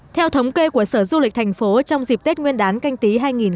theo thống kê của sở du lịch thành phố trong dịp tết nguyên đán canh tí hai nghìn hai mươi